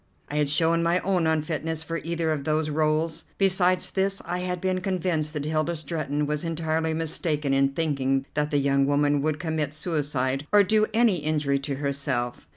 I had shown my own unfitness for either of those rôles. Besides this, I had been convinced that Hilda Stretton was entirely mistaken in thinking that the young woman would commit suicide or do any injury to herself.